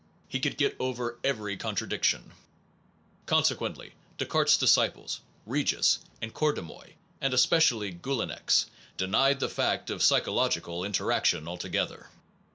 He could get over every contradiction. Consequently Descartes disciples Regis and Cordemoy, and especially Geulincx, denied the fact of psychological in teraction altogether.